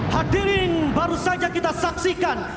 hadirin baru saja kita saksikan